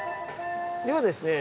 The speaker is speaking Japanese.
ではですね